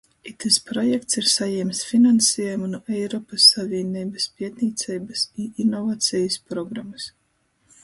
Itys projekts ir sajiems finansiejumu nu Eiropys Savīneibys pietnīceibys i inovacejis programys.